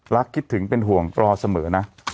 คิดถึงเป็นห่วงปลอเสมอนะ